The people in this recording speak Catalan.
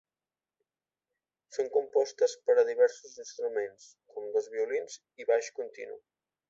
Són compostes per a diversos instruments, com dos violins i baix continu.